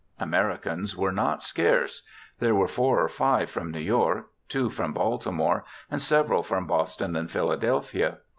Americans were not scarce ; there were four or five from New York, two from Baltimore, and several from Boston and Philadelphia.